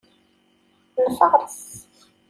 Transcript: Nfares.